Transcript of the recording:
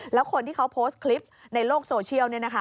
แล้วคนที่เขาโพสต์คลิปในโลกโซเชียล